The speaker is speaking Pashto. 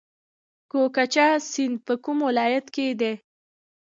کوکچه سیند په کوم ولایت کې دی؟